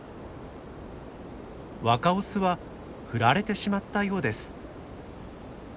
若オスは振られてしまったようです。